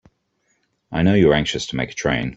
I know you're anxious to make a train.